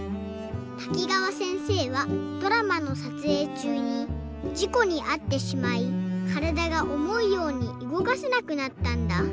滝川せんせいはドラマのさつえいちゅうにじこにあってしまいからだがおもうようにうごかせなくなったんだ。